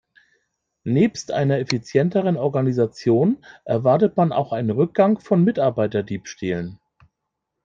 Nebst einer effizienteren Organisation erwartet man auch einen Rückgang von Mitarbeiterdiebstählen.